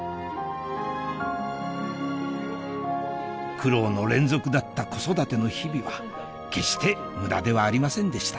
苦労の連続だった子育ての日々は決して無駄ではありませんでした